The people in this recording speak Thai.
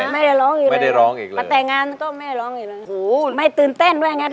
ไม่ได้ร้องอีกเลย